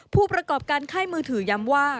ผู้ประกอบการค่ายมือถือย้ำว่า